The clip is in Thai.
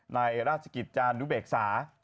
ในราชกิจจานุเบกษา